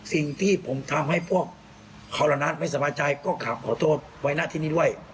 สิ่งที่ผมทำให้พวกเขาละนัดไม่สบายใจก็กลับขอโทษไว้หน้าที่นี้ด้วย